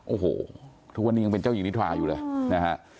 โอ้โหทุกวันนี้ยังเป็นเจ้าหญิงนิทราอยู่เลยนะฮะ